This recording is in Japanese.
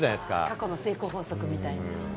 過去の成功法則みたいな。